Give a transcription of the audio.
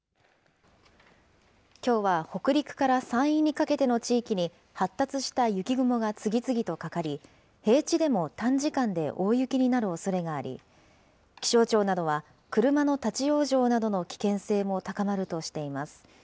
きょうは北陸から山陰にかけての地域に発達した雪雲が次々とかかり、平地でも短時間で大雪になるおそれがあり、気象庁などは、車の立往生などの危険性も高まるとしています。